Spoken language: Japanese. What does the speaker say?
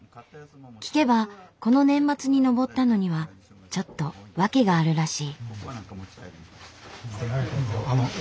聞けばこの年末に登ったのにはちょっと訳があるらしい。